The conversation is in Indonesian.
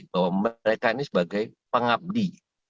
bahwa mereka ini sebagai pengabdi